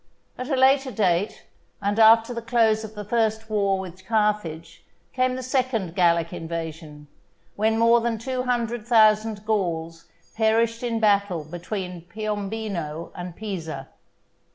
At a later date, and after the close of the first war with Carthage, came the second Gallic invasion, when more than two hundred thousand Gauls perished in battle between Piombino and Pisa.